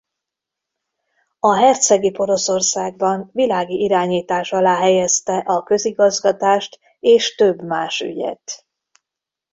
A Hercegi Poroszországban világi irányítás alá helyezte a közigazgatást és több más ügyet.